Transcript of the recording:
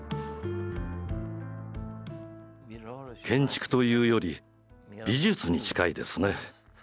建築というより美術に近いですね。